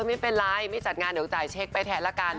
ไม่เป็นไรไม่จัดงานเดี๋ยวจ่ายเช็คไปแทนละกัน